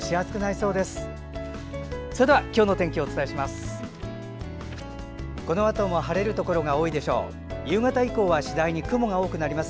それでは、今日のお天気をお伝えします。